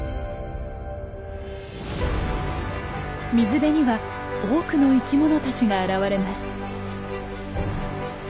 水辺には多くの生きものたちが現れます。